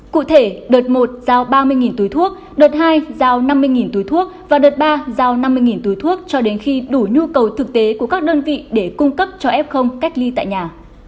cụ thể đợt một giao ba mươi túi thuốc đợt hai giao năm mươi túi thuốc và đợt ba giao năm mươi túi thuốc cho đến khi đủ nhu cầu thực tế của các đơn vị để cung cấp cho f cách ly tại nhà